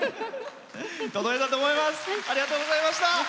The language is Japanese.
届いたと思います！